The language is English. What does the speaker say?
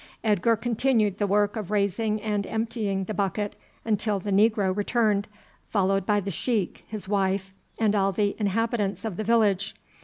Edgar continued the work of raising and emptying the bucket until the negro returned, followed by the sheik, his wife, and all the inhabitants of the village.